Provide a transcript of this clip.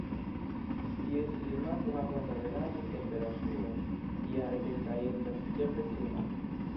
Ties klimato havas averaĝan temperaturon jare de kaj estas ĉefe suna.